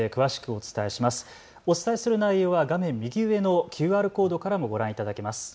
お伝えする内容は画面右上のＱＲコードからもご覧いただけます。